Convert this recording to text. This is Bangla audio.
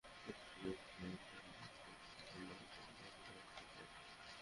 কিন্তু জঙ্গিরা দেশের যেকোনো স্থানে হামলা করতে পারে, এমন আশঙ্কা ছিল।